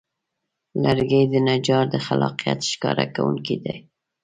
لرګی د نجار د خلاقیت ښکاره کوونکی دی.